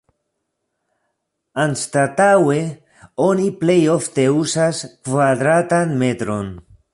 Anstataŭe, oni plej ofte uzas "kvadratan metron".